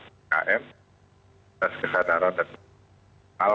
kita harus kesadaran dan berpikir